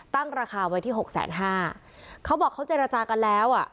ตั้งราคามาที่๖๕๐๐๐๐เขาบอกเขาเจรจากันแล้ว